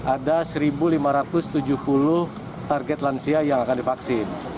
ada satu lima ratus tujuh puluh target lansia yang akan divaksin